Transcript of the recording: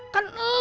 mak noid meninggal